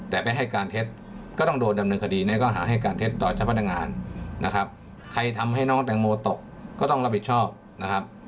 ถ้าทางโมตกก็ต้องรับผิดชอบนะครับ